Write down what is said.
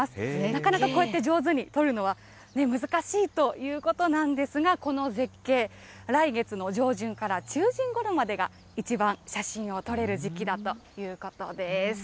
なかなかこうやって上手に撮るのは、難しいということなんですが、この絶景、来月の上旬から中旬ごろまでが、一番写真を撮れる時期だということです。